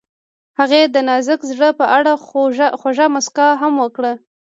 هغې د نازک زړه په اړه خوږه موسکا هم وکړه.